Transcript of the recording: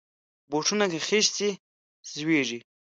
بوټونه که خیشت شي، زویږي.